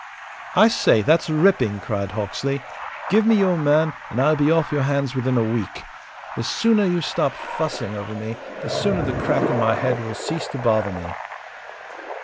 "I say, that's ripping!" cried Hawksley. "Give me your man, and I'll be off your hands within a week. The sooner you stop fussing over me the sooner the crack in my head will cease to bother me.